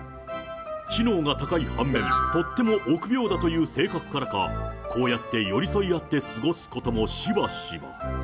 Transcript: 知能が高い半面、とっても臆病だという性格から、こうやって寄り添い合って過ごすこともしばしば。